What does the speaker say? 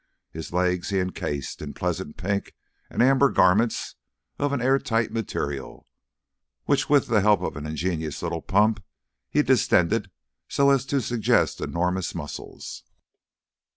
His legs he encased in pleasant pink and amber garments of an air tight material, which with the help of an ingenious little pump he distended so as to suggest enormous muscles.